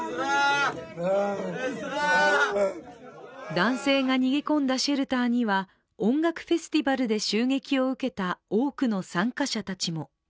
男性が逃げ込んだシェルターには音楽フェスティバルで襲撃を受けた多くの参加者たちも。